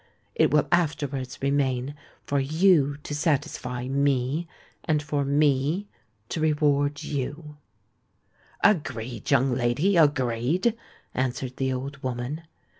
It will afterwards remain for you to satisfy me—and for me to reward you." "Agreed, young lady—agreed!" answered the old woman.